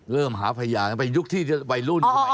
เริ่มหาภัยยาไปยุคที่วัยรุ่น